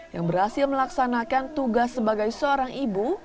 yang berhasil melaksanakan tugas sebagai seorang ibu